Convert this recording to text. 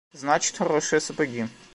Значит хорошие сапоги.